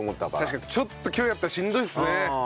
確かにちょっと距離あったらしんどいっすね。